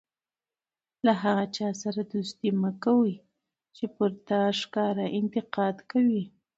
له هغه چا سره دوستي مه کوئ! چي پر تا ښکاره انتقاد کوي.